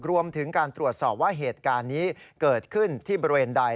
รวมถึงการตรวจสอบว่าเหตุการณ์นี้เกิดขึ้นที่บริเวณใด